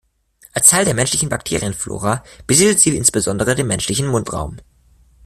Als Teil der menschlichen Bakterienflora besiedelt sie insbesondere den menschlichen Mundraum.